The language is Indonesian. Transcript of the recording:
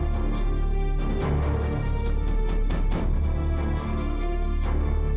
kami semua berdoa